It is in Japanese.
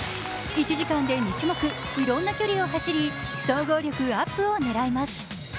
１時間で２種目、いろいろな距離を走り総合力アップを狙います。